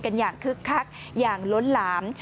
อย่างคึกคักอย่างล้นหลาม